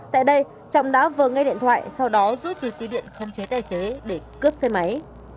tại đây trọng đã vờ ngay điện thoại sau đó rút từ tùy điện không chế tài xế để cướp xe máy